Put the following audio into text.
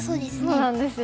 そうなんですよ。